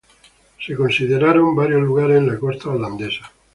Fueron considerados varios lugares en la costa holandesa.